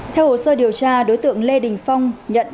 theo hồ sơ điều tra đối tượng lê đình phong nhận trang cáo